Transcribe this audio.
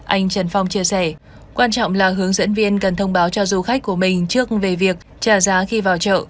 anh trần phong chia sẻ quan trọng là hướng dẫn viên cần thông báo cho du khách của mình trước về việc trả giá khi vào chợ